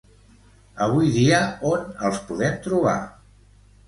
Avui dia on els podem trobar?